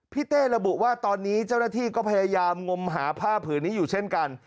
เต้ระบุว่าตอนนี้เจ้าหน้าที่ก็พยายามงมหาผ้าผืนนี้อยู่เช่นกัน